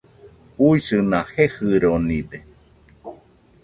Uisɨna jejɨronide